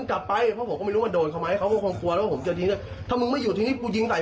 ใช่ไม้นี้คือว่าไม่ได้อยู่ตรงนี้นะ